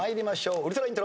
ウルトライントロ。